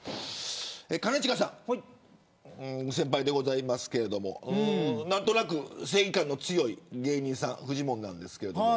兼近さん、先輩ですけど何となく、正義感の強い芸人さんフジモンですけど。